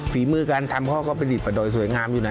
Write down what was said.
ฝีมือการทำเพราะว่าก็ผลิตประดอยสวยงามอยู่นะ